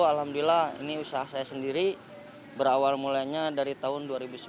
alhamdulillah ini usaha saya sendiri berawal mulainya dari tahun dua ribu sembilan belas